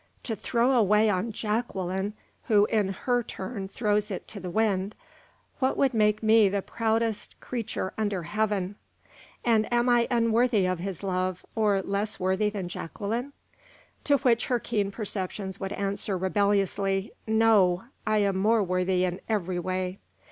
To throw away on Jacqueline, who in her turn throws it to the wind, what would make me the proudest creature under heaven! And am I unworthy of his love, or less worthy than Jacqueline?" To which her keen perceptions would answer rebelliously, "No, I am more worthy in every way."